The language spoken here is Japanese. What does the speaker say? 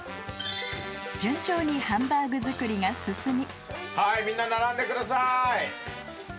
［順調にハンバーグ作りが進み］